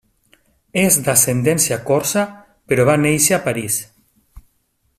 És d'ascendència corsa però va néixer a París.